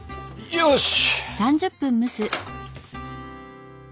よし！